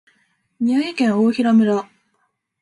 宮城県大衡村